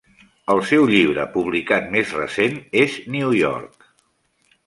El seu llibre publicat més recent és "New York".